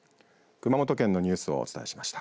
熊本県のニュースをお伝えしました。